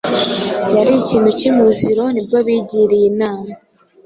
yari ikintu cy’ umuziro Nibwo bigiriye inama